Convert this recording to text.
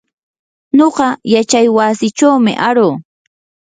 nuqa yachaywasichumi aruu.